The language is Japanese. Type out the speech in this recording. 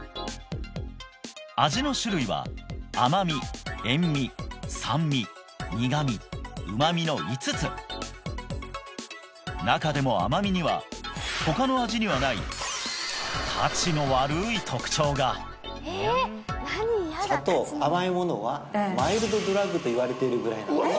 味の種類は甘味塩味酸味苦味旨味の５つ中でも甘味には他の味にはないタチの悪い特徴が砂糖甘いものはマイルドドラッグといわれているぐらいなんです